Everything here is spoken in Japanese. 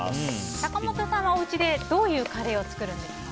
坂本さんは、おうちでどういうカレーを作るんですか？